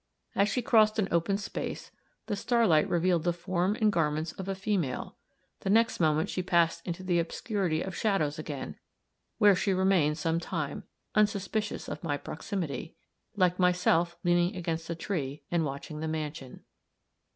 As she crossed an open space, the starlight revealed the form and garments of a female; the next moment she passed into the obscurity of shadows again, where she remained some time, unsuspicious of my proximity, like myself leaning against a tree, and watching the mansion.